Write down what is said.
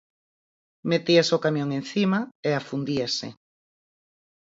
Metías o camión encima, e afundíase.